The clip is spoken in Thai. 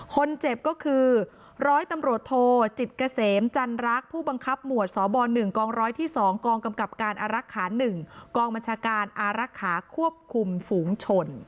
คนเจ็บก็คือรตโทจิตเกษมจันรักผู้บังคับหมวดสบหนึ่งกรที่สองกกำกับการอรักขาหนึ่งกมจการอรักขาควบคุมฝูงชน